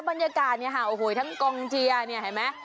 บรรยากาศนี่โอ้โฮทั้งกองเจียนี่เห็นไหม